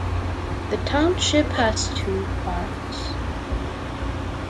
The township has two parks.